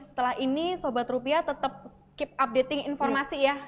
setelah ini sobat rupiah tetap keep updating informasi ya